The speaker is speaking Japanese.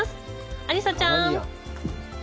アリサちゃん！